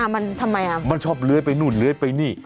มันทำไมมันชอบเลื้อยไปนู่นเลื้อยไปนี่